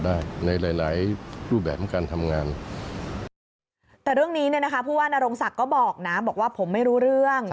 แต่เรื่องนี้ผู้ว่านโรงศักดิ์ก็บอกนะบอกว่าผมไม่รู้เรื่อง